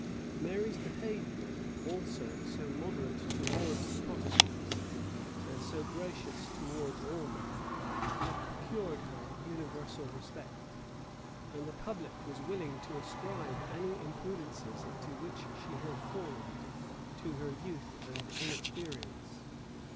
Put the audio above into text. Mary's behavior, also, so moderate towards the Protestants, and so gracious towards all men, had procured her universal respect;[] and the public was willing to ascribe any imprudences into which she had fallen to her youth and inexperience.